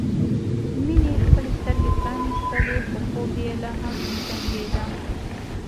مينې خپلې سترګې پرانيستلې خو خوب یې لا هم زنګېده